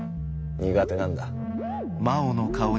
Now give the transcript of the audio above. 苦手なんだ。